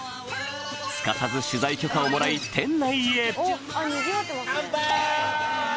すかさず取材許可をもらい店内へ乾杯！